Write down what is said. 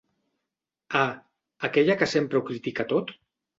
Ah, aquella que sempre ho critica tot?